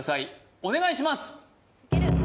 お願いします